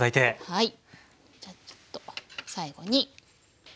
はい。